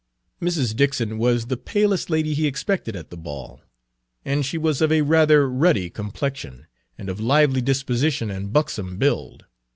Mrs. Dixon was the palest lady he expected at the ball, and she was of a rather ruddy complexion, and of lively disposition and buxom build.